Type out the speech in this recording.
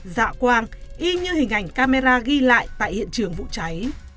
dạ quang y như hình ảnh camera ghi lại tại hiện trường vụ cháy